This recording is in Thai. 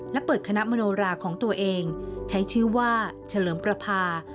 และเปิดคณะมโนราของตัวเองใช้ชื่อว่าเฉลิมประพา